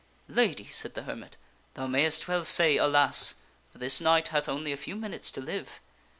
" Lady," said the hermit, " thou mayst well say ' Alas/ for this knight hath only a few minutes to live."